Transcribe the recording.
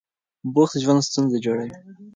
بوخت ژوند ستونزه جوړوي.